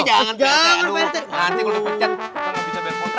jangan jangan jangan